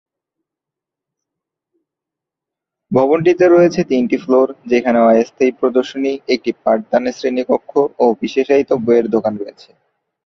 ভবনটিতে রয়েছে তিনটি ফ্লোর যেখানে অস্থায়ী প্রদর্শনী, একটি পাঠদানের শ্রেণিকক্ষ ও বিশেষায়িত বইয়ের দোকান রয়েছে।